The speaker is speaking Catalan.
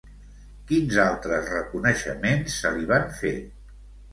Quins altres reconeixements se li van fer?